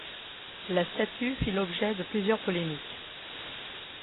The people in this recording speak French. La statue fit l'objet de plusieurs polémiques.